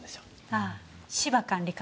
ああ芝管理官。